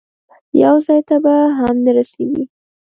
یو ځای ته به هم نه رسېږي.